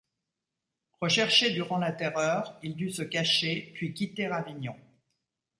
Recherché durant la Terreur, il dut se cacher puis quitter Avignon.